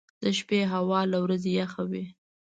• د شپې هوا له ورځې یخه وي.